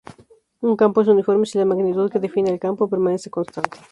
Un campo es uniforme si la magnitud que define al campo permanece constante.